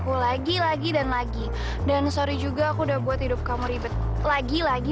seolah olah di tengah sekarang ibu sudah peduli nulis satu kali